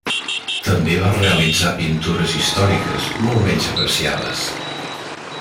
També va realitzar pintures històriques, molt menys apreciades.